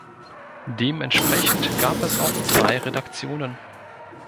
Dementsprechend gab es auch zwei Redaktionen.